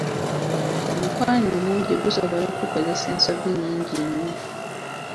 Omukwano omungi gusobola okukozesa ensobi nnyingi nnyo.